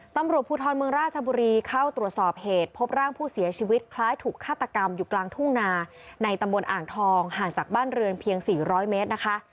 ตำรวจภูทรเมืองราชบุรีเข้าตรวจสอบเหตุพบร่างผู้เสียชีวิตคล้ายถูกฆาตกรรมอยู่กลางทุ่งนาในตำบลอ่างทองห่างจากบ้านเรือนเพียง๔๐๐เมตรนะคะ